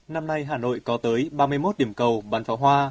năm nay hà nội có tới ba mươi một điểm cầu bán pháo hoa